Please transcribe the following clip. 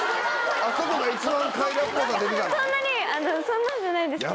そんなんじゃないです。